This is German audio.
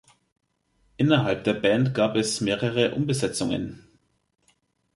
Innerhalb der Band gab es mehrere Umbesetzungen.